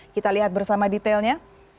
kita lihat bersama detailnya